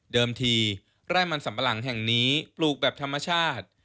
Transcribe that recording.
ทีไร่มันสัมปะหลังแห่งนี้ปลูกแบบธรรมชาติ